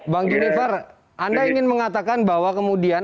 bang juniper anda ingin mengatakan bahwa kemudian